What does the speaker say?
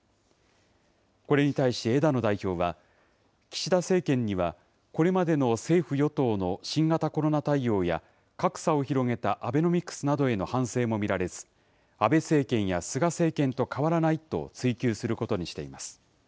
これに対し枝野代表は、岸田政権にはこれまでの政府・与党の新型コロナ対応や格差を広げたアベノミクスなどへの反省も見られず、安倍政権や菅政権と変わらないと追及することにしています。